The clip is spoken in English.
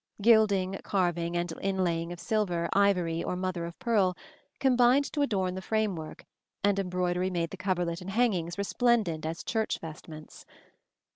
Gilding, carving, and inlaying of silver, ivory or mother of pearl, combined to adorn the framework, and embroidery made the coverlet and hangings resplendent as church vestments.